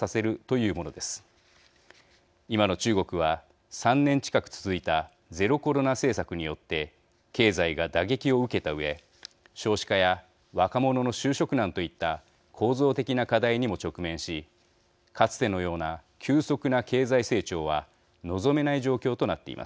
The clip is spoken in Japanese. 今の中国は３年近く続いたゼロコロナ政策によって経済が打撃を受けたうえ少子化や若者の就職難といった構造的な課題にも直面しかつてのような急速な経済成長は望めない状況となっています。